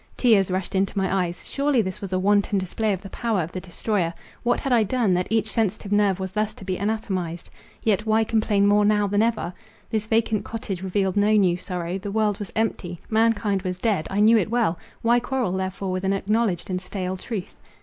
Tears rushed into my eyes; surely this was a wanton display of the power of the destroyer. What had I done, that each sensitive nerve was thus to be anatomized? Yet why complain more now than ever? This vacant cottage revealed no new sorrow— the world was empty; mankind was dead—I knew it well—why quarrel therefore with an acknowledged and stale truth?